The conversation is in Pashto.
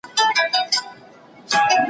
زه اوس د سبا لپاره د يادښتونه بشپړوم،